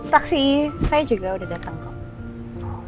taksi saya juga udah datang kok